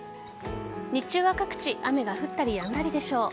日中は各地雨が降ったりやんだりでしょう。